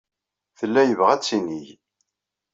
Tella yebɣa ad tinig.